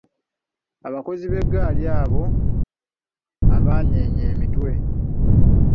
"Abakozi b’eggaali, abo abanyeenya mitwe."